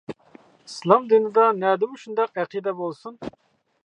ئىسلام دىنىدا نەدىمۇ شۇنداق ئەقىدە بولسۇن.